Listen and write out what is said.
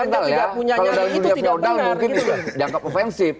kalau dalam dunia feodal mungkin dianggap ofensif